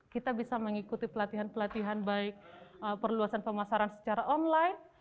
kita bisa mengikuti pelatihan pelatihan baik perluasan pemasaran secara online